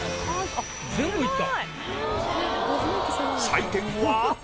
採点は。